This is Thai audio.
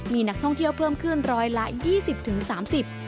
มีนักท่องเที่ยวเพิ่มขึ้น๑๒๐๓๐ล้านบาท